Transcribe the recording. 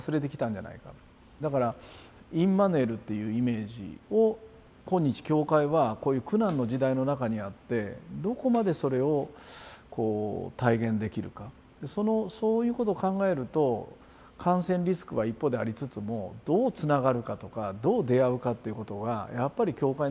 だからインマヌエルっていうイメージを今日教会はこういう苦難の時代の中にあってどこまでそれをこう体現できるかそういうことを考えると感染リスクは一方でありつつもどうつながるかとかどう出会うかっていうことがやっぱり教会にとって非常に大事。